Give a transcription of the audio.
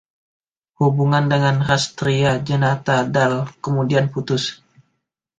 Hubungan dengan Rashtriya Janata Dal kemudian putus.